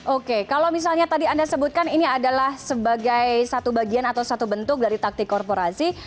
oke kalau misalnya tadi anda sebutkan ini adalah sebagai satu bagian atau satu bentuk dari taktik korporasi